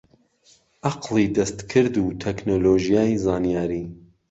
عەقڵی دەستکرد و تەکنۆلۆژیای زانیاری